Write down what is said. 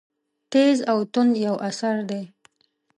تېز او توند یو اثر دی.